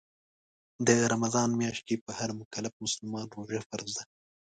د رمضان میاشت کې په هر مکلف مسلمان روژه فرض ده